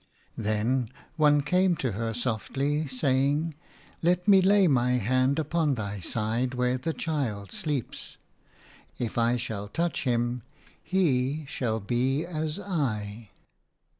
Then one came to her softly, saying, " Let me lay my hand upon thy side where the child sleeps. If I shall touch him he shall be as I."